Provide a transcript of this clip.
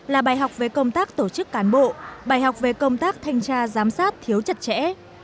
là bài học về công tác tổ chức cán bộ bài học về công tác thanh tra giám sát thiếu chặt chẽ